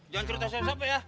jangan cerita saya siapa ya